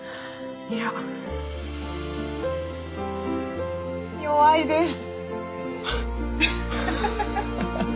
いや弱いです。